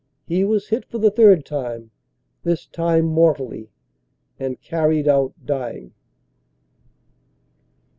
He was hit for the third time, this time mortally, and carried out dying.